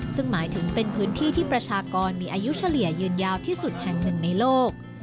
ซึ่งหมายถึงเป็นพื้นที่ที่ประชากรมีอายุเฉลี่ยยืนยาวที่สุดแห่งหนึ่งในโลก